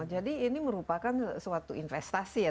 ini merupakan suatu investasi ya